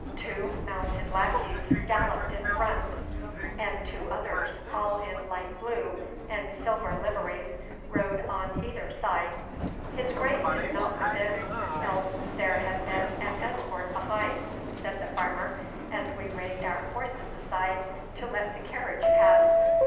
Two mounted lackeys galloped in front, and two others all in light blue and silver liveries rode on either side. 'His Grace is not within, else there had been an escort behind,' said the farmer, as we reined our horses aside to let the carriage pass.